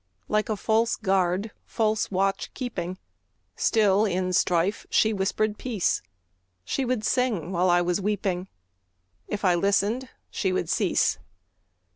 Like a false guard, false watch keeping, Still, in strife, she whispered peace; She would sing while I was weeping; If I listened, she would cease.